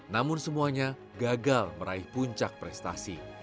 namun semuanya gagal meraih puncak prestasi